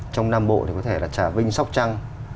trong nam bộ thì có thể là trà vinh sóc trăng